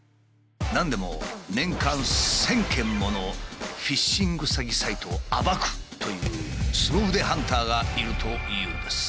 なんでも年間１，０００件ものフィッシング詐欺サイトを暴くというスゴ腕ハンターがいるというんです。